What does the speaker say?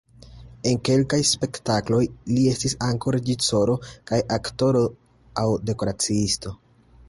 En kelkaj spektakloj li estis ankaŭ reĝisoro aŭ aktoro aŭ dekoraciisto.